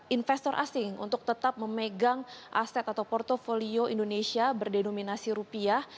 investor asing untuk tetap memegang aset atau portfolio indonesia berdenominasi rupiah